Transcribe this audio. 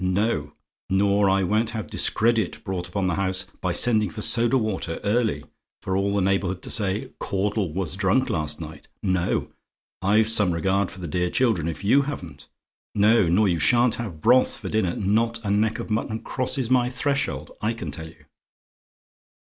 No; nor I won't have discredit brought upon the house by sending for soda water early, for all the neighbourhood to say, 'Caudle was drunk last night.' No: I've some regard for the dear children, if you haven't. No: nor you shan't have broth for dinner. Not a neck of mutton crosses my threshold, I can tell you.